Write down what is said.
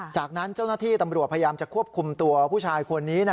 จากนั้นเจ้าหน้าที่ตำรวจพยายามจะควบคุมตัวผู้ชายคนนี้